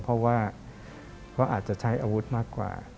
เพราะว่าเขาอาจจะใช้อาวุธมากกว่า